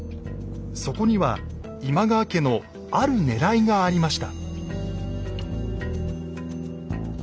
そこには今川家のあるねらいがありました。